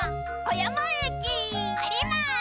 おります！